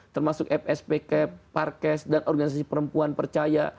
termasuk fs pk parkes dan organisasi perempuan percaya